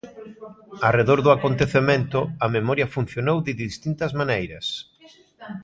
Arredor do acontecemento, a memoria funcionou de distintas maneiras.